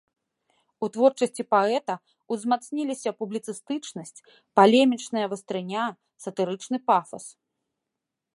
У творчасці паэта ўзмацніліся публіцыстычнасць, палемічная вастрыня, сатырычны пафас.